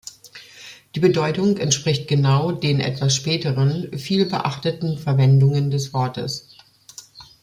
Die Bedeutung entspricht genau den etwas späteren, viel beachteten Verwendungen des Wortes.